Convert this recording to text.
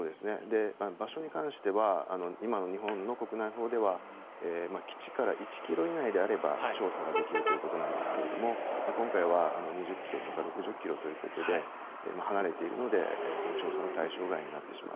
場所に関しては今の日本の国内法では基地から１ｋｍ以内であれば調査ができるということなんですが今回は２０ｋｍとか６０ｋｍということで離れているので、その調査の対象外になってしまう。